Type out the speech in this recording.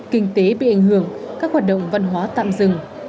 kinh tế bị ảnh hưởng các hoạt động văn hóa tạm dừng